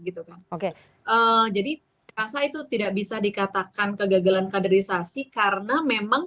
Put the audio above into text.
gitu kan oke jadi saya rasa itu tidak bisa dikatakan kegagalan kaderisasi karena memang